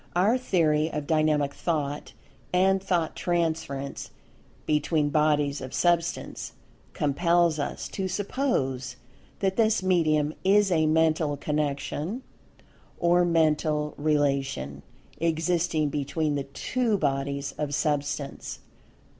Our Theory of Dynamic Thought, and Thought [Pg 174]Transference between bodies of Substance, compels us to suppose that this medium is a Mental Connection, or Mental Relation, existing between the two bodies of Substance.